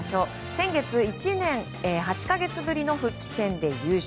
先月１年８か月ぶりの復帰戦で優勝。